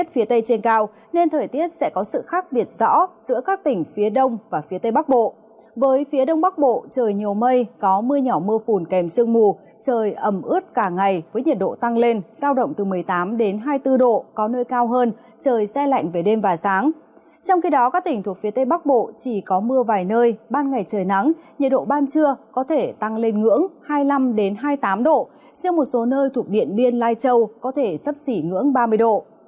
các tỉnh thuộc phía tây bắc bộ chỉ có mưa vài nơi ban ngày trời nắng nhiệt độ ban trưa có thể tăng lên ngưỡng hai mươi năm hai mươi tám độ riêng một số nơi thuộc điện biên lai châu có thể sắp xỉ ngưỡng ba mươi độ